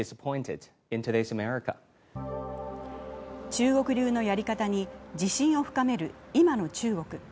中国流のやり方に自信を深める今の中国。